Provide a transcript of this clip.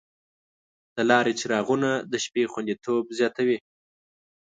د لارې څراغونه د شپې خوندیتوب زیاتوي.